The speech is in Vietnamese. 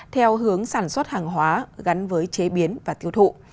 theo hướng sản xuất hàng hóa gắn với chế biến và tiêu thụ